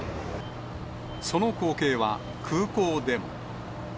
その光景は、空港でも。